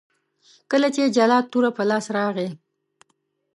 کله چې جلات توره په لاس راغی.